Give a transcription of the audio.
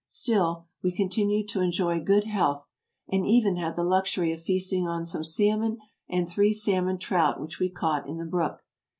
Still, we continued to enjoy good health, and even had the luxury of feasting on some salmon and three salmon trout which we caught in the brook.